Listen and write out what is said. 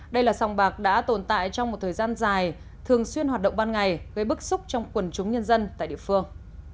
đây là sòng bạc đã tồn tại trong một thời gian dài thường xuyên hoạt động ban ngày gây bức xúc trong quần chúng nhân dân tại địa phương